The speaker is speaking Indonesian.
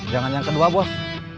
jangan yang kedua bos